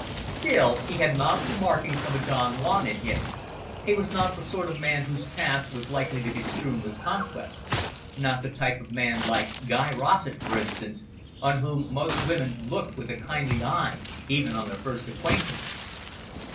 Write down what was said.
Still, he had not the makings of a Don Juan in him; he was not the sort of man whose path was likely to be strewn with conquests; not the type of man, like Guy Rossett, for instance, on whom most women looked with a kindly eye, even on their first acquaintance.